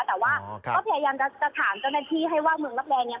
แต่ว่าก็พยายามจะถามเจ้าหน้าที่ให้ว่าเมืองรับแรงเนี่ย